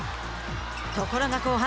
ところが後半。